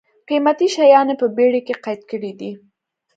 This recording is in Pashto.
قېمتي شیان یې په بېړۍ کې قید کړي دي.